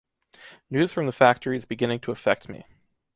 News from the factory is beginning to affect me.